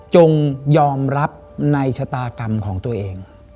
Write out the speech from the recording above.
จงยอมรับในชะตากรรมของตัวเอง